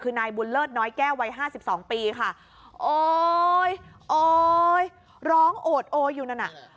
คือนายบุญเลิศน้อยแก้ววัยห้าสิบสองปีค่ะโอ๊ยโอ๊ยร้องโอดโออยู่นั่นน่ะ